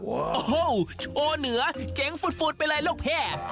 โอ้โฮโอเหนือเจ๋งฟูดไปเลยโลกแพร่